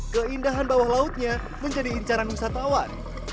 keindahan bawah lautnya menjadi incaran wisatawan